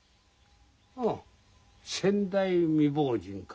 ああ先代未亡人か。